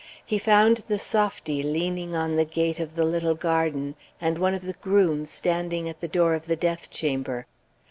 He found the softy leaning on the gate of the little garden, and one of the grooms standing at the door of the death chamber.